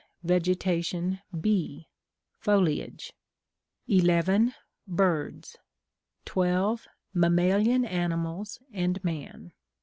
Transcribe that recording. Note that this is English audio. Vegetation (B.) Foliage. 11. Birds. 12. Mammalian animals and Man.